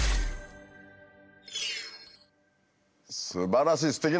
すばらしい！